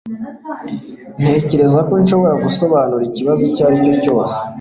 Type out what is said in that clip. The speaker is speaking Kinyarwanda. Ntekereza ko nshobora gusobanura ikibazo icyo ari cyo.